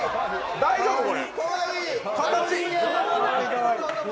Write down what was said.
大丈夫、これ。